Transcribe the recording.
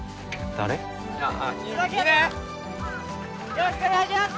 よろしくお願いしゃす！